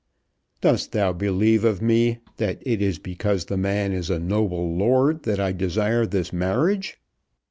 Dost thou believe of me that it is because the man is a noble lord that I desire this marriage?"